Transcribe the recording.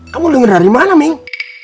kamu denger dari mana meng